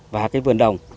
và cái vườn đồng